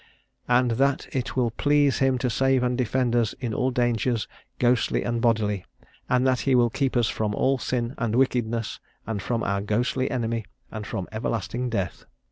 "And that it will please him to save and defend us in all dangers, ghostly and bodily; and that he will keep us from all sin and wickedness, and from our ghostly enemy, and from everlasting death."